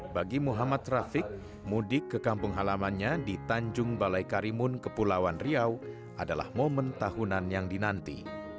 bagi muhammad rafiq mudik ke kampung halamannya di tanjung balai karimun kepulauan riau adalah momen tahunan yang dinanti